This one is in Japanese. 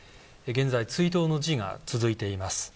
現在、追悼の辞が続いています。